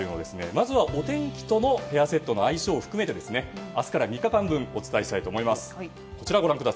まずはお天気とヘアセットの相性を含めて明日から３日間分お伝えしたいと思います。